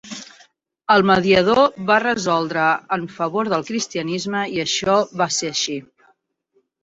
El mediador va resoldre en favor del cristianisme i això va ser així.